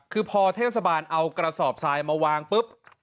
คือพอเทศบาลเอากระสอบทรายมาวางปุ๊บ